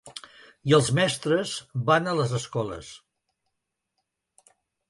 I els mestres van a les escoles.